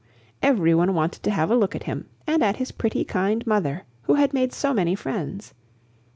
Every one wanted to have a look at him, and at his pretty, kind mother, who had made so many friends.